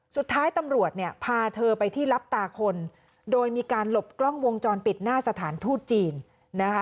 สุดท้ายตำรวจเนี่ยพาเธอไปที่รับตาคนโดยมีการหลบกล้องวงจรปิดหน้าสถานทูตจีนนะคะ